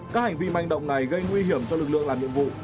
các hành vi manh động này gây nguy hiểm cho lực lượng làm nhiệm vụ